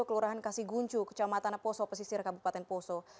kelurahan kasiguncu kecamatan poso pesisir kabupaten poso